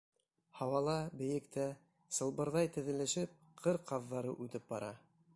Һауала, бейектә, сылбырҙай теҙелешеп, ҡыр ҡаҙҙары үтеп бара.